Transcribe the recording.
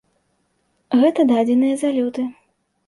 Гэта дадзеныя за люты.